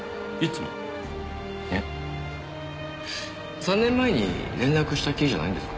３年前に連絡したきりじゃないんですか？